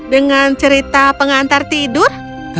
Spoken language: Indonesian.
dengan cerita pengantar tidur